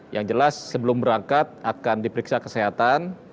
yang jelas sebelum berangkat akan diperiksa kesehatan